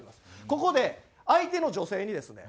ここで相手の女性にですね